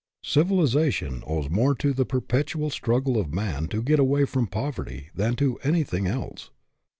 Civilization owes more to the perpetual struggle of man to get away from poverty than to anything else.